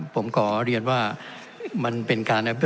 ท่านประธานที่ขอรับครับ